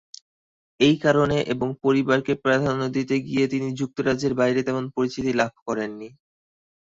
এই কারণে এবং পরিবারকে প্রাধান্য দিতে গিয়ে তিনি যুক্তরাজ্যের বাইরে তেমন পরিচিতি লাভ করেননি।